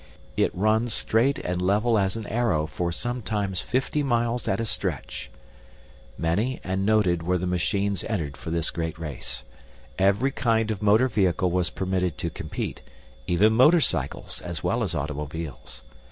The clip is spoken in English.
It runs straight and level as an arrow for sometimes fifty miles at a stretch. Many and noted were the machines entered for this great race. Every kind of motor vehicle was permitted to compete, even motorcycles, as well as automobiles.